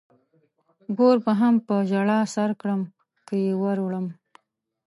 ګور به هم په ژړا سر کړم که يې ور وړم.